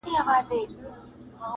o نهار خوښ یم په ښکار نه ځم د چنګښو,